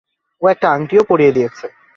ও একটা আংটিও পরিয়ে দিয়েছে।